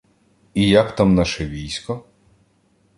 і як там наше військо?